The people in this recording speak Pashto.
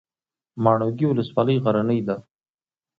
ماڼوګي ولسوالۍ غرنۍ ده؟